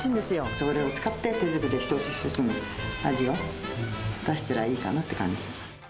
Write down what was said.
それを使って手作りで一つ一つの味を出したらいいかなって感じ。